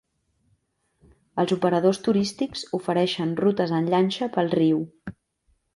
Els operadors turístics ofereixen rutes en llanxa pel riu.